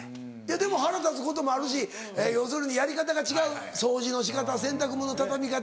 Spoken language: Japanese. でも腹立つこともあるし要するにやり方が違う掃除の仕方洗濯物の畳み方